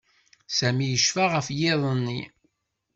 Sami yecfa ɣef yiḍ-nni.